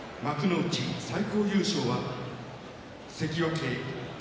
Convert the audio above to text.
幕内最高優勝は関脇霧